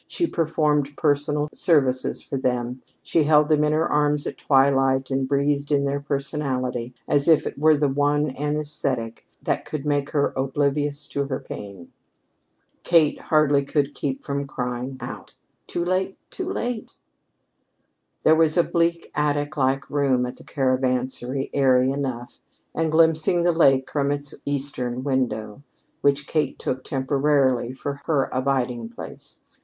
She performed personal services for them. She held them in her arms at twilight and breathed in their personality as if it were the one anaesthetic that could make her oblivious to her pain. Kate hardly could keep from crying out: "Too late! Too late!" There was a bleak, attic like room at the Caravansary, airy enough, and glimpsing the lake from its eastern window, which Kate took temporarily for her abiding place.